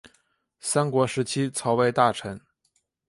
三国时期曹魏大臣。